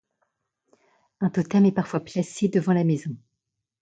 Un totem est parfois placé devant la maison.